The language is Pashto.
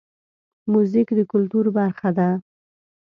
موزیک د کلتور برخه ده.